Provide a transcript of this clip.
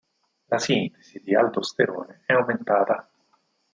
La sintesi di aldosterone è aumentata.